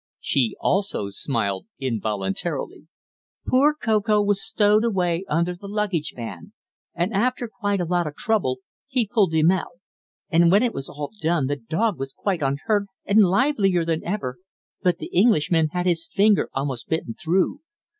She also smiled involuntarily. "Poor Ko Ko was stowed away under the luggage van; and after quite a lot of trouble he pulled him out. When it was all done the dog was quite unhurt and livelier than ever, but the Englishman had his finger almost bitten through.